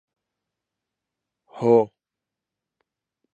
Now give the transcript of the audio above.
ښارونه د افغانستان د اقتصاد یوه برخه ده.